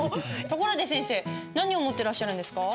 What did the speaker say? ところで先生何を持ってらっしゃるんですか？